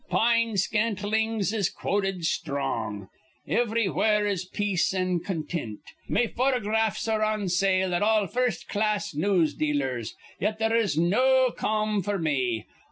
Pine scantlings is quoted sthrong. Ivrywhere is peace an' contint. Me photographs are on sale at all first class newsdealers. Yet there is no ca'm f'r me.